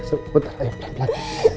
sebentar ayo pelan pelan